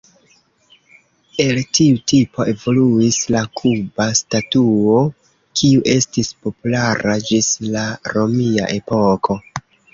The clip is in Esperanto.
El tiu tipo evoluis la kuba statuo, kiu estis populara ĝis la romia epoko.